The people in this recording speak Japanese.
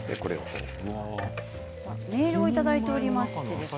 メールをいただいております。